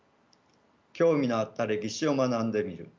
興味のあった歴史を学んでみる。